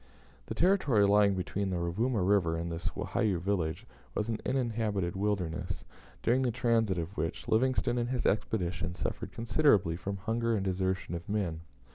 The territory lying between the Rovuma River and this Wahiyou village was an uninhabited wilderness, during the transit of which Livingstone and his expedition suffered considerably from hunger and desertion of men.